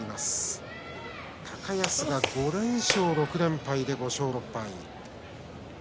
高安、５連勝、６連敗５勝６敗です。